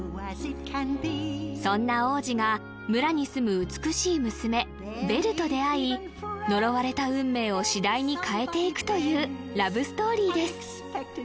そんな王子が村に住む美しい娘ベルと出会い呪われた運命を次第に変えていくというラブストーリーです